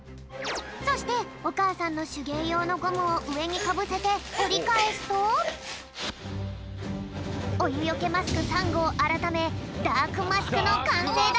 そしておかあさんのしゅげいようのゴムをうえにかぶせておりかえすとおゆよけマスク３ごうあらためダークマスクのかんせいだ